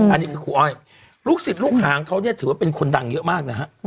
อันนี้คือครูอ้อยลูกศิษย์ลูกหางเขาเนี่ยถือว่าเป็นคนดังเยอะมากนะฮะ